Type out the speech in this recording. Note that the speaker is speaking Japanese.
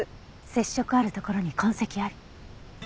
接触あるところに痕跡あり。